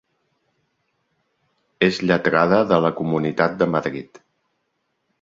És lletrada de la Comunitat de Madrid.